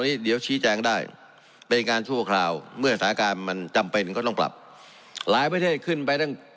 นี้เดี๋ยวชี้แจงได้เป็นการชั่วคราวเมื่อสถานการณ์มันจำเป็นก็ต้องปรับหลายประเทศขึ้นไปตั้ง